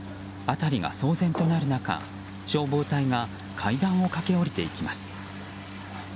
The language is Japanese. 辺りが騒然となる中、消防隊が階段を駆け下りていきます。